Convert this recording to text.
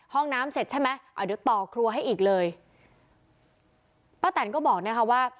ห้องน้ำเสร็จใช่ไหมอ่าเดี๋ยวต่อครัวให้อีกเลยป้าแตนก็บอกนะคะว่า